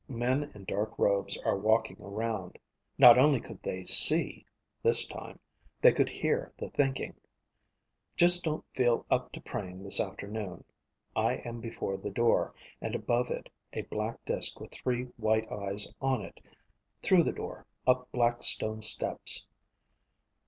Men in dark robes are walking around. (Not only could they see, this time; they could hear the thinking.) Just don't feel up to praying this afternoon. I am before the door, and above it, a black disk with three white eyes on it. Through the door, up black stone steps.